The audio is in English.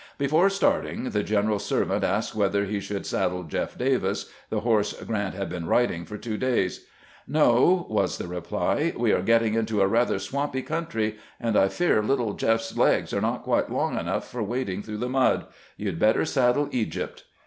Before starting, the general's servant asked whether he should saddle "Jeff Davis," the horse Grant had been riding for two days. " No," was the reply; "we are getting into a rather swampy country, and I fear little 'Jeff's' legs are not quite long enough for wading through the mud. You had better saddle 'Egypt.'"